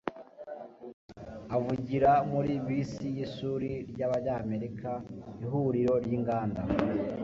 Bob Riley avugira muri bisi y'ishuri ry'abanyamerika, ihuriro ry'inganda